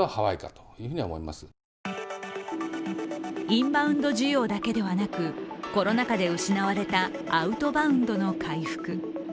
インバウンド需要だけではなくコロナ禍で失われたアウトバウンドの回復。